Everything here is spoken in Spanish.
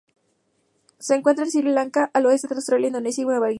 Se encuentra en Sri Lanka, al oeste de Australia, Indonesia y Nueva Guinea.